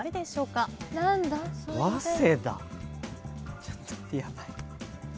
ちょっとヤバい。